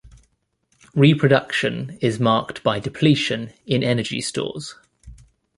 Reproduction is marked by depletion in energy stores.